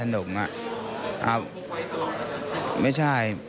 คุณไว้ตรงนั้นหรือเปล่าไม่ใช่